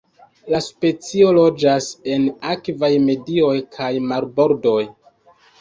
La specio loĝas en akvaj medioj kaj marbordoj.